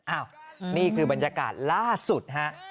อ้าวนี่คือบรรยากาศล่าสุด